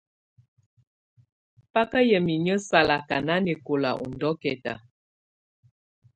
Baka yamɛ̀á inƴǝ́ salaka nanɛkɔla ù ndɔ̀kɛta.